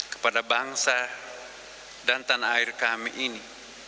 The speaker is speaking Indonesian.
kepada bangsa dan tanah air kami ini